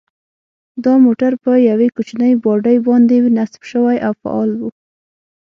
دا موټر په یوې کوچنۍ باډۍ باندې نصب شوی او فعال و.